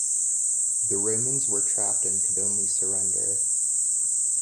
The Romans were trapped and could only surrender.